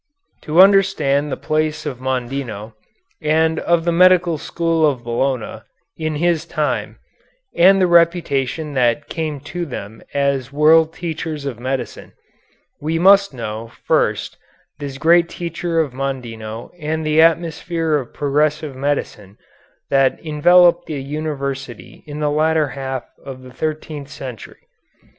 To understand the place of Mondino, and of the medical school of Bologna, in his time, and the reputation that came to them as world teachers of medicine, we must know, first, this great teacher of Mondino and the atmosphere of progressive medicine that enveloped the university in the latter half of the thirteenth century.